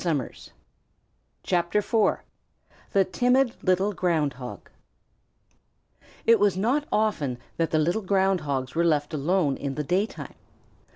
THE TIMID LITTLE GROUND HOG It was not often that the little Ground Hogs were left alone in the daytime.